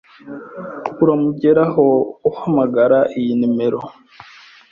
Uramugeraho uhamagara iyi nimero.